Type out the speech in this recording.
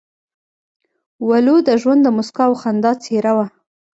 ولو د ژوند د موسکا او خندا څېره وه.